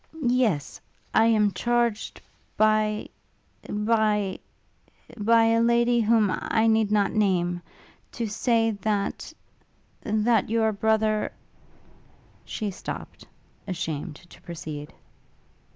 'Yes; I am charged by ... by ... by a lady whom I need not name to say that ... that your brother ' She stopt, ashamed to proceed.